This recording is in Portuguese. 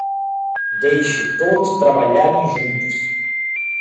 Deixe todos trabalharem juntos